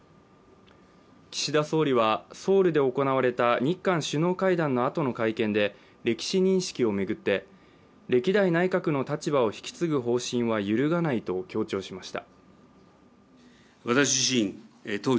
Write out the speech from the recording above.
岸田総理はソウルで行われた日韓首脳会談のあとの会見で歴史認識を巡って、歴代内閣の立場を引き継ぐ方針は揺るがないと強調しました。